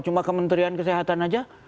cuma kementerian kesehatan aja